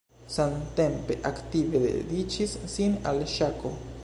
Samtempe aktive dediĉis sin al ŝako.